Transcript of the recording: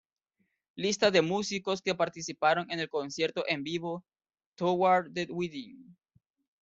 Lista de músicos que participaron en el concierto en vivo "Toward the Within".